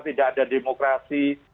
tidak ada demokrasi